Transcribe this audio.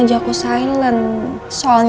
pak baikkan dong